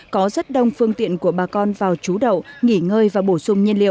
có rất đông phương tiện của bà con vào trú đậu nghỉ ngơi và bổ sung nhiên liệu